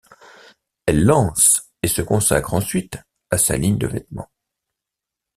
Elle lance et se consacre ensuite à sa ligne de vêtements.